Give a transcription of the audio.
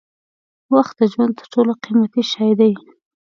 وخت د ژوند تر ټولو قیمتي شی دی.